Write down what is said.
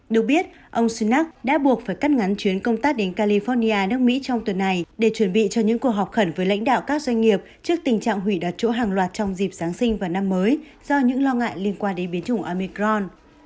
được biết ông sunak đã buộc phải cắt ngắn chuyến công tác đến california nước mỹ trong tuần này để chuẩn bị cho những cuộc họp khẩn với lãnh đạo các doanh nghiệp trước tình trạng hủy đặt chỗ hàng loạt trong dịp giáng sinh và năm mới do những lo ngại liên quan đến biến chủng amicron